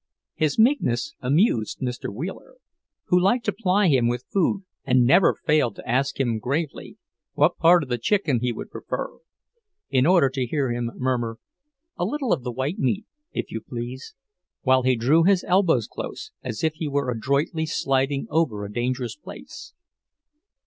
His meekness amused Mr. Wheeler, who liked to ply him with food and never failed to ask him gravely "what part of the chicken he would prefer," in order to hear him murmur, "A little of the white meat, if you please," while he drew his elbows close, as if he were adroitly sliding over a dangerous place.